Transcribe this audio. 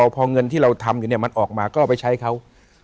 พอเงินที่เราทำอยู่เนี่ยมันออกมาก็เอาไปใช้เขา